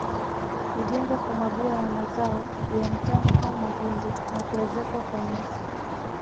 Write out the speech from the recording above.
Hujengwa kwa mabua ya mazao ya mtama au mahindi na kuezekwa kwa nyasi